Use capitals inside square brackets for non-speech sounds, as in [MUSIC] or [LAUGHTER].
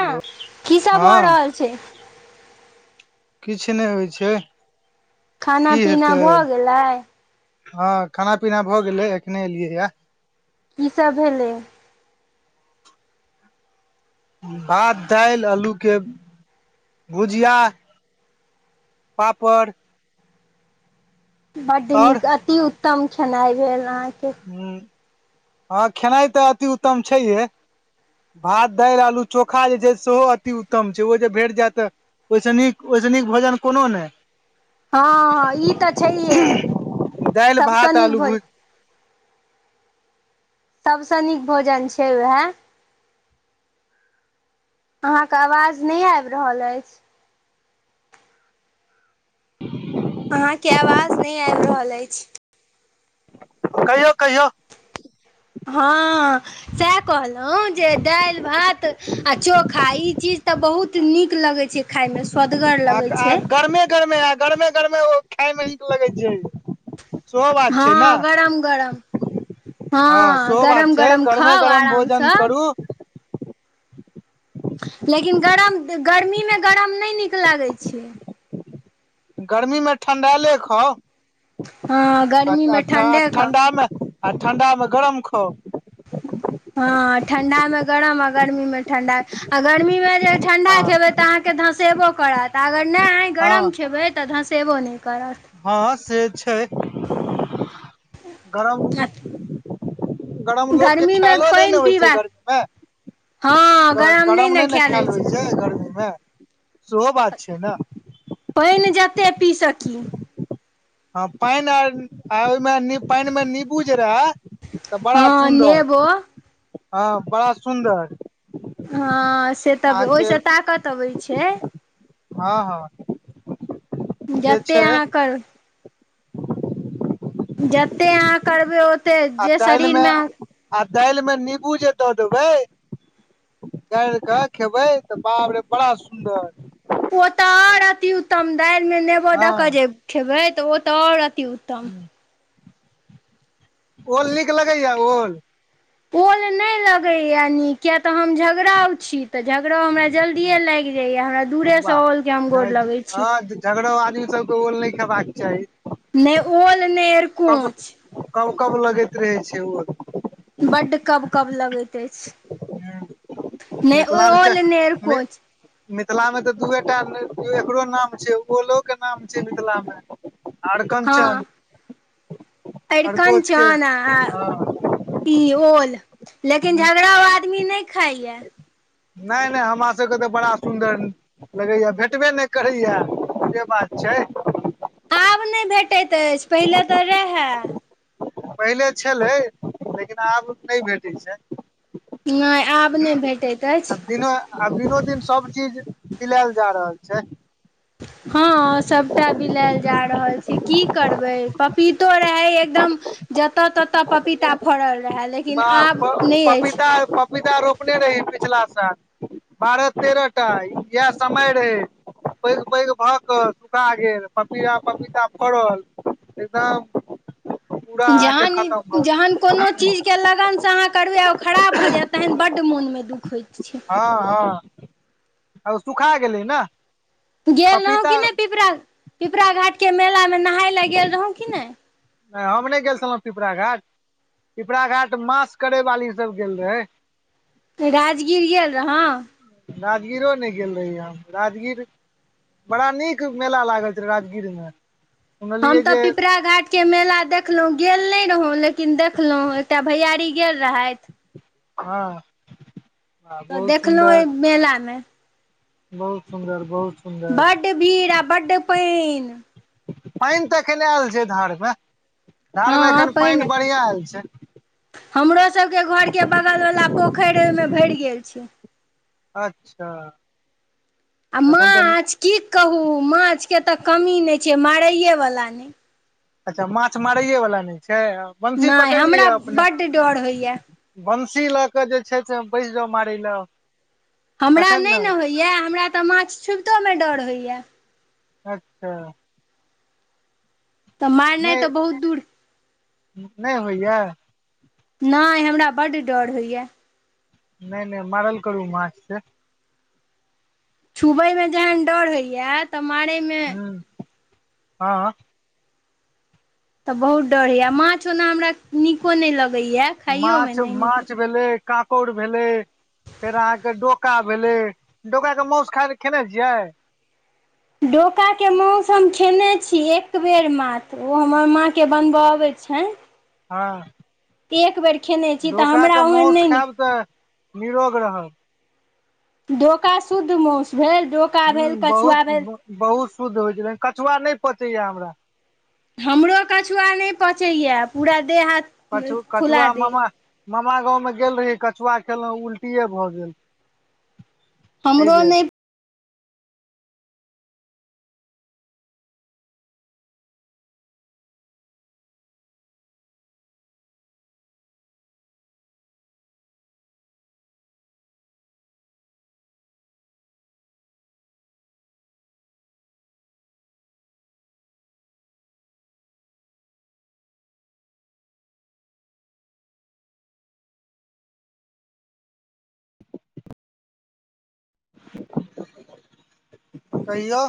Hello कीसब भऽ रहल छै किछ नहि होइ छै खाना की पीना हेतै भऽ गेलै हँ खाना पीना भऽ गेलै एखने एलियैए कीसभ भेलै भात दाल आलूकें भुजिया पापड़ बड आओर नीक अत्ति उत्तम खेनाय भेल अहाँ के ह्म हाँ खेनाई तऽ अति उत्तम छैहे भात दालि आलू चोखा जे छै सेहो अति उत्तम छै ओ जे भेट जाय तऽ ओहिसँ नीक ओहिसँ नीक भोजन कोनो नहि हाँ हाँ ई तऽ छैहे दालि सभसँ भात नीक आलू भोजन भुज सभसँ नीक भोजन छै उएह अहाँके आवाज नहि आबि रहल अइछ अहाँके आवाज नहि आबि रहल अइछ कहियौ कहियौ हाँ सएह कहलहुँ जे दालि भात आ चोखा ई चीज तऽ बहुत नीक लगै छै खायमे स्वदगर लगै आ छै गरमे गरमे आ गरमे गरमे ओ खायमे नीक लगैत छै सेहो बात हँ छै ना गरम गरम हाँ हँ सेहो बात गरम छै गरम गरमे खाउ गरम भोजन आरामसँ करू लेकिन गरम गर्मीमे गरम नहि नीक लागै छै गर्मीमे ठंडेले खाउ हँ गर्मीमे आ ठण्डे खाउ ठण्डामे आ ठण्डामे गरम खाउ हाँ ठण्डा मे गरम आ गर्मी मे ठंडा आ गर्मी मे [UNINTELLIGIBLE] नहि हँ गरम हँ खेबै तऽ धसेबो नहि करत हँ से [INAUDIBLE] गरम आठ गरम लोककेँ खायलो नहि ने पानि होइ छै पीबाक गर्मीमे गरम नहि ने खायल होइत छैक गर्मीमे सेहो बात छै ने पान जेते पी सकी ह पाइन आर ओहिमे पाइन मे नीबू जे रहे तऽ बड़ा हँ सुन्दर नेबो हू बड़ा सुन्दर हाँ से तऽ अहाँके ओहिसे ताकत अबैत छै हाँ हाँ जते अहाँ कल जतेक अहाँ करबय ओतेक जे शरीरमे दाल मे नीबू जे दऽ देबै गाइर क खेबैय त बाप रे बड़ा सुन्दर। ओ त आओर अतिउत्तम दालिमे नेबो द क हँ जे खेबैय त ओ त आओर अतिउत्तम। ओल नीक लगैए ओल? ओल नै लगैए नीक, किये त हम झगड़ाउ छी त झगड़ाउ हमरा जल्दिए लागि जाइये हमरा दुरे वाह सँ ओल केँ हम गोर लगैय छी। हँ झगड़ो आदमी सबकेँ ओल नहि खेबाक चाही। नहि ओल नहि एरकोंच। कब-कब लगैत रहैय छैय ओल। बड्ड कब कब लगैत अइछ, नै ओल नै मिथिलाञ्चल मे एरकोंच। मिथिलामे त दुइए टा नै एकरो नाम छैय ओलोकेँ नाम छैय मिथिलामे। आरकनचन। अरिकनचन आ इ ओल लेकिन ह झगड़ाउ आदमी नै खाइये। नै-नै हमरासभकेँ त बड़ा सुन्दर लगैए भेटबे नै करैए से बात छैय। आब नै भेटैत अइछ पहिले त रहैय। पहिले छलैय लेकिन आब नै भेटैय छैय। नहि आब नहि भेटैत अछि आब दिनोदिन सब चीज बिलायल जा रहल छैय। हँ, सभटा बिलायल जा रहल छैय की करबैय पपीतो रहैय एकदम जत-तत पपीता फड़ल रहैय लेकिन बाह, आब नहि अछि पपीता आर पपीता रोपने रहियै पिछला साल, बारह-तेरह टा एह समय रहैय पैघ-पैघ भ क सुखा गेल, पपीड़ा-पपीता फड़ल। एकदम पूरा अहाँके जहन खतम भ गेल। नीक सँ अहाँ करबै आ ओ खराब भ जायत तहन बड्ड मोनमे दुःख होय छैय। हँ-हँ। ओ सुखा गेलैय न। गेल रहौंउ की नै पिपरा, पिपरा घाटके मेलामे नहाय लए गेल रहौंउ की नहि। नै-हम-नै गेल छलहुँ पिपरा घाट। पिपरा घाट मास करैय वाली सब गेल रहैय। राजगीर गेल रहौंउ? राजगीरो नै गेल रहि हम, राजगीर बड़ा नीक मेला लागल छलैय राजगीरमे। हम त पिपरा घाट के मेला देखलहुँ, गेल नै रहौंउ लेकिन देखलहुँ एकटा भैयारी गेल रहथि। हँ, ह तऽ बहुत देखलहुँ एहि सुन्दर मेलामे बहुत सुन्दर बहुत। सुन्दर बड्ड भीड़ आ बड्ड पाइन। पाइन त एखैन आएल छैय धारमे। धारमे हँ एखैन पाइन बढ़िया आएल छैय। हमरोसबके घरके बगलवला पोखरि ऐ ओहिमे भरि गेल छैय। अच्छा। आ तखन तऽ माछ, की कहू माछ के त कमी नै छैय मारैएवला नै अच्छा माछ मारैएवला नै छैय, बनसी नहि पकड़ि हमरा लिअ अपने। बड्ड डर होइए बनसी ल क जे छैय से बैस जाउ मारैय लए। हमरा नै ने होइए हमरा त माछ छुबितोमे डर होइए। अच्छा। तऽ मारनै नहि तऽ बहुत दूर नहि होइए नहि हमरा बड्ड डर होइया नहि नहि मारल करु माछ से छुबैयमे जहन डर होइया तऽ मारैमे हाँ तऽ बहुत डर होय माछ ओना हमरा नीको नहि लग माछ माछ भेलै काकोड़ भेलै फेर अहाँके डोका भेलै डोकाके मास खायइ लेलऽ खेने छियै डोकाके मास हम खेने छी एक बेर मात्र ओ हमर माँके बनबय अबैत छै हाँ एक बेर खेने छी तऽ डोकाके हमरा ओहन मासु नहि नीक खायब तऽ निरोग रहब डोका शुद्ध माउस भेल डोका भेल ह्म बहुत कछुआ भेल बहुत शुद्ध होइ छल कछुआ नहि पचै या हमरा हमरो कछुआ नहि पचैए पूरा देह हाथ कछु फुला कछुआ दे मामा मामा गाँव में गेल रही कछुआ खेलहुँ उल्टीे भए गेल एहि हमरो बेर नहि [INAUDIBLE] कहियौ